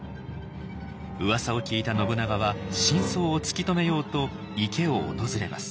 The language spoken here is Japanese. うわさを聞いた信長は真相を突き止めようと池を訪れます。